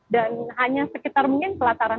dan hanya sekitar mungkin pelataran